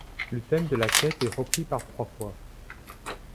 Le thème de la quête est repris par trois fois.